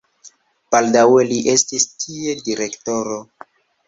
Baldaŭe li estis tie direktoro.